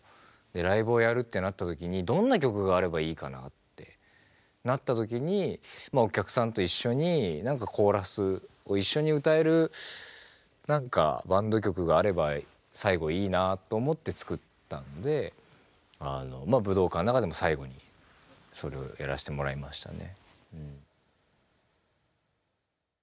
ライブをやるってなった時にどんな曲があればいいかなってなった時にお客さんと一緒に何かコーラスを一緒に歌える何かバンド曲があれば最後いいなと思って作ったんで武道館の中でも最後にそれをやらせてもらいましたね。